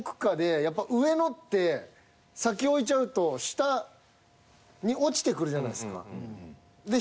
やっぱ上のって先置いちゃうと下に落ちてくるじゃないですか。